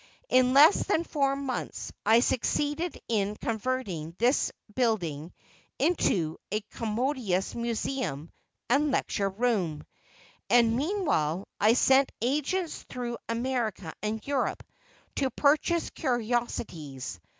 In less than four months, I succeeded in converting this building into a commodious Museum and lecture room, and meanwhile I sent agents through America and Europe to purchase curiosities.